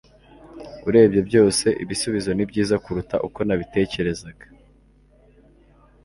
urebye byose, ibisubizo nibyiza kuruta uko nabitekerezaga